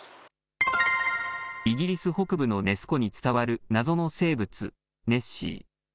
イギリス北部のネス湖に伝わる謎の生物、ネッシー。